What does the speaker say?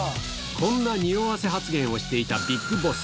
こんなにおわせ発言をしていたＢＩＧＢＯＳＳ。